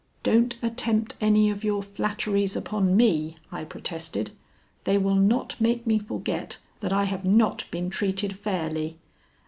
"Don't attempt any of your flatteries upon me," I protested. "They will not make me forget that I have not been treated fairly.